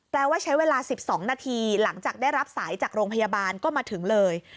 ว่าใช้เวลา๑๒นาทีหลังจากได้รับสายจากโรงพยาบาลก็มาถึงเลย